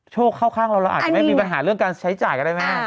เข้าข้างเราเราอาจจะไม่มีปัญหาเรื่องการใช้จ่ายก็ได้แม่